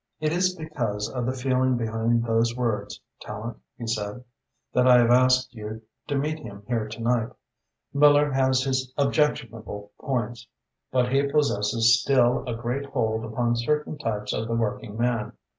"It is because of the feeling behind those words, Tallente," he said, "that I have asked you to meet him here to night. Miller has his objectionable points, but he possesses still a great hold upon certain types of the working man.